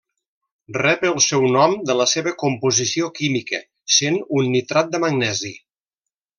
Rep el seu nom de la seva composició química, sent un nitrat de magnesi.